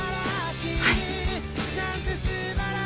はい。